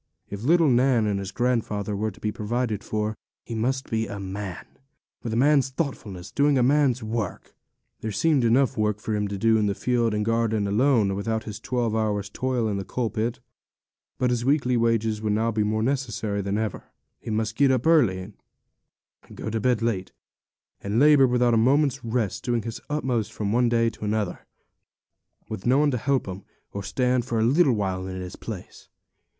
If little Nan and his grandfather were to be provided for, he must be a man, with a man's thoughtfulness, doing man's work. There seemed enough work for him to do in the field and garden alone, without his twelve hours' toil in the coal pit; but his weekly wages would now be more necessary than ever. He must get up early, and go to bed late, and labour without a moment's rest, doing his utmost from one day to another, with no one to help him, or stand for a little while in his place.